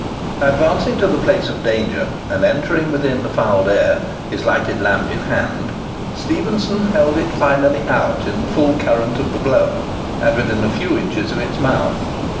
Advancing to the place of danger, and entering within the fouled air, his lighted lamp in hand, Stephenson held it finally out, in the full current of the blower, and within a few inches of its mouth.